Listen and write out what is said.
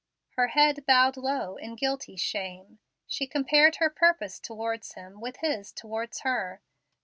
Her head bowed low in guilty shame. She compared her purpose towards him with his towards her.